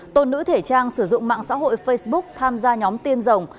tôn nữ thể trang sử dụng mạng xã hội facebook tham gia nhóm tiên rồng